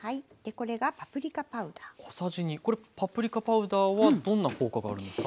これパプリカパウダーはどんな効果があるんですか？